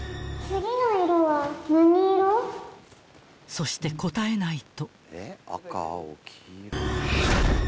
［そして答えないと］